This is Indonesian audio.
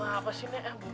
buah apa sih nek